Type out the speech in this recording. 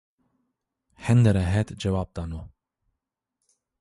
Hende rehet cewab dano